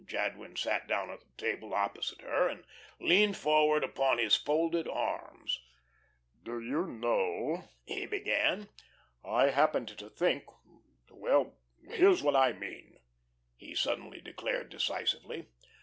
Jadwin sat down at the table opposite her and leaned forward upon his folded arms. "Do you know," he began, "I happened to think Well, here's what I mean," he suddenly declared decisively.